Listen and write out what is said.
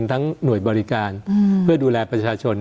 ทั้งหน่วยบริการเพื่อดูแลประชาชน